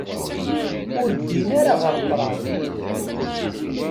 Ur ddin ara ɣer ṭraḍ